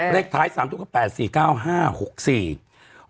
เลขท้าย๓ตัวก็๘๔๙๕๖๔